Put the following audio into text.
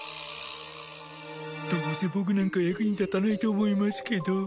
どうせ僕なんか役に立たないと思いますけど。